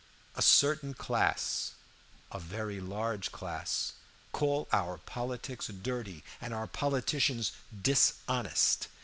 A certain class a very large class call our politics dirty, and our politicians dishonest.